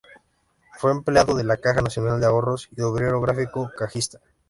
Fue empleado de la Caja Nacional de Ahorros, y obrero gráfico-cajista.